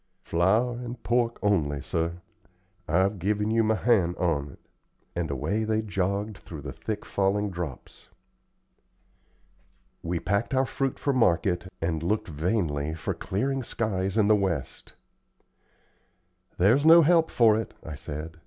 "Flour and pork only, sir. I've given you my hand on't;" and away they all jogged through the thick falling drops. We packed our fruit for market, and looked vainly for clearing skies in the west. "There's no help for it," I said.